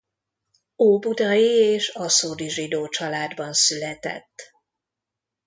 Óbudai és aszódi zsidó családban született.